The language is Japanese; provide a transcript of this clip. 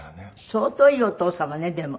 相当いいお父様ねでも。